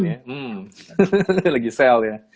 hehehe lagi sell ya